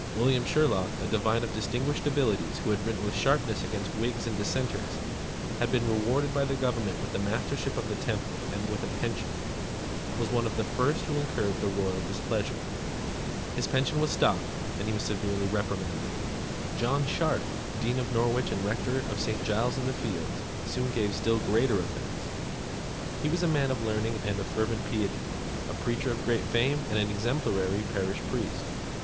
William Sherlock, a divine of distinguished abilities, who had written with sharpness against Whigs and Dissenters, and had been rewarded by the government with the Mastership of the Temple and with a pension, was one of the first who incurred the royal displeasure. His pension was stopped, and he was severely reprimanded. John Sharp, Dean of Norwich and Rector of St. Giles's in the Fields, soon gave still greater offence. He was a man of learning and fervent piety, a preacher of great fame, and an exemplary parish priest.